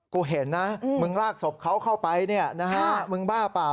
เห็นนะมึงลากศพเขาเข้าไปมึงบ้าเปล่า